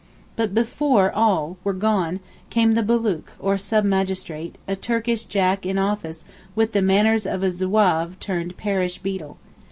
But before all were gone, came the Bulook, or sub magistrate—a Turkish Jack in office with the manners of a Zouave turned parish beadle.